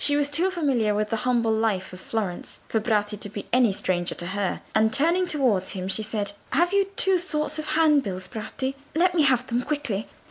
She was too familiar with the humble life of Florence for Bratti to be any stranger to her, and turning towards him she said, "Have you two sorts of handbills, Bratti? Let me have them quickly."